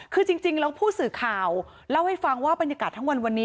คือจริงแล้วผู้สื่อข่าวเล่าให้ฟังว่าบรรยากาศทั้งวันวันนี้